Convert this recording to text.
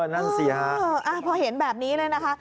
นั่นเสียห้าอ๋อพอเห็นแบบนี้เลยนะคะ